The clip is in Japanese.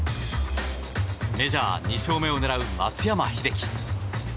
メジャー２勝目を狙う松山英樹。